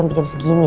hampir jam segini